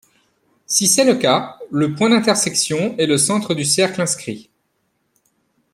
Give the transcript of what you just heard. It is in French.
Si c'est le cas, le point d'intersection est le centre du cercle inscrit.